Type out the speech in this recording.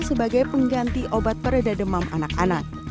sebagai pengganti obat pereda demam anak anak